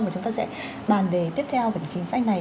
và chúng ta sẽ bàn về tiếp theo về chính sách này